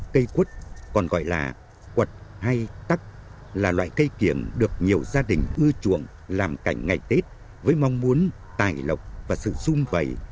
cây quất còn gọi là quật hay tắc là loại cây kiểm được nhiều gia đình ưa chuộng làm cảnh ngày tết với mong muốn tài lộc và sự sung vầy